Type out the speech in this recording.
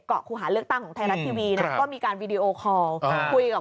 ครูหาเลือกตั้งของไทยรัฐทีวีนะก็มีการวีดีโอคอลคุยกับ